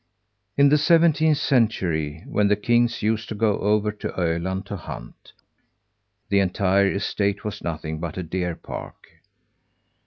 In the seventeenth century, when the kings used to go over to Öland to hunt, the entire estate was nothing but a deer park.